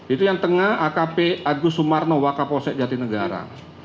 itu yang tengah akp agus sumarno wakapolsek jatinegara